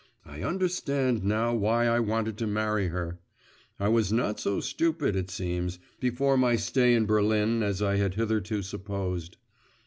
… I understand now why I wanted to marry her: I was not so stupid, it seems, before my stay in Berlin as I had hitherto supposed.